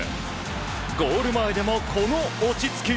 ゴール前でも、この落ち着き。